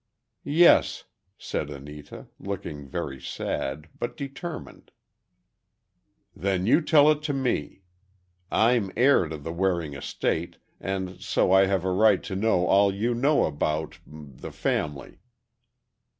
"Yes," said, Anita, looking very sad, but determined. "Then you tell it to me. I'm heir to the Waring estate, and so I have a right to know all you know about—the family."